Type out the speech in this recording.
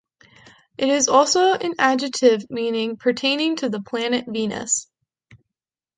It is also an adjective meaning "pertaining to the planet Venus".